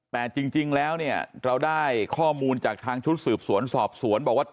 แต่จริงแล้วเนี่ยเราได้ข้อมูลจากทางชุดสืบสวนสอบสวนบอกว่า